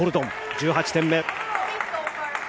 １８点目。